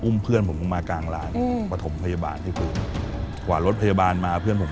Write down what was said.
เพื่อนผมลงมากลางร้านประถมพยาบาลที่พื้นกว่ารถพยาบาลมาเพื่อนผม